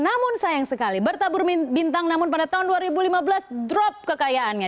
namun sayang sekali bertabur bintang namun pada tahun dua ribu lima belas drop kekayaannya